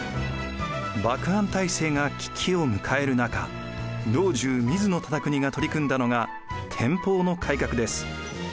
幕藩体制が危機を迎える中老中・水野忠邦が取り組んだのが天保の改革です。